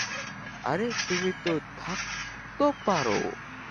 আরে তুমি তো থাকতো পারো।